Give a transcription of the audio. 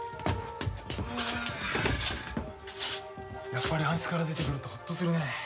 やっぱり暗室から出てくるとほっとするね。